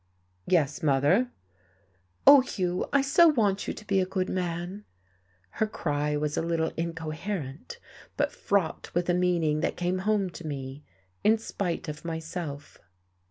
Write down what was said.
"Yes, mother." "Oh, Hugh, I so want you to be a good man!" Her cry was a little incoherent, but fraught with a meaning that came home to me, in spite of myself....